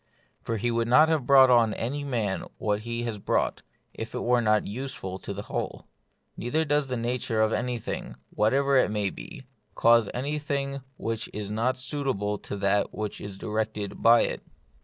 For he would not have brought on any man what he has brought, if it were not use ful for the whole. Neither does the nature of anything, whatever it may be, cause anything which is not suitable to that which is directed by it.